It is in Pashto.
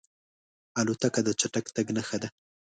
الوتکه د چټک تګ نښه ده.